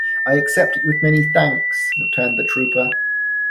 "I accept it with many thanks," returned the trooper.